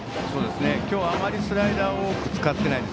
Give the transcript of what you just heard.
今日はあまりスライダーを多く使っていません。